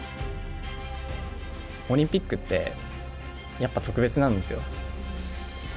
オリンピックって、やっぱ特別なんですよ。